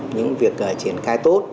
những việc triển khai tốt